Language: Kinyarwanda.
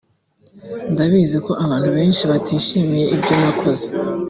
“Ndabizi ko abantu benshi batishimiye ibyo nakoze